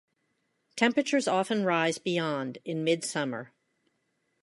Temperatures often rise beyond in midsummer.